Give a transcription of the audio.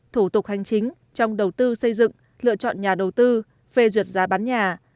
thủ tục hành chính trong đầu tư xây dựng lựa chọn nhà đầu tư phê duyệt giá bán nhà